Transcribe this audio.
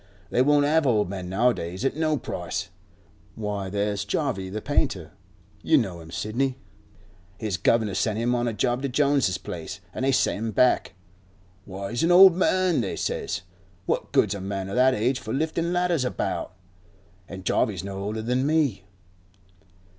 "They won't have old men nowadays, at no price." Why, there's Jarvey the painter; you know him, Sidney. His guvnor sent him on a job to Jones's place, an' they sent him back. "Why, he's an old man," they says. "What good's a man of that age for liftin' ladders about?" An' Jarvey's no older than me.